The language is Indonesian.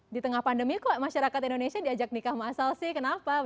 di tengah pandemi kok masyarakat indonesia diajak nikah masal sih kenapa